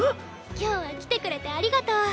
今日は来てくれてありがとう。